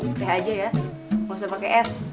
udah aja ya gausah pake es